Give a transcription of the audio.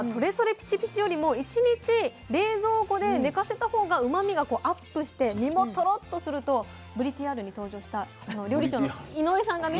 ピチピチよりも１日冷蔵庫で寝かせたほうがうまみがアップして身もトロッとするとぶりＴＲに登場したあの料理長の井上さんがね